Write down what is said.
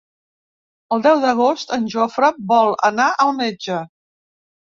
El deu d'agost en Jofre vol anar al metge.